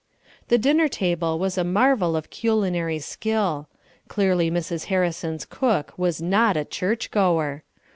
The dinner table was a marvel of culinary skill. Clearly Mrs. Harrison's cook was not a church goer.